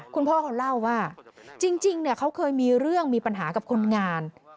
คุณพ่อเขาเล่าว่าจริงเขาเคยมีเรื่องมีปัญหากับคนงาน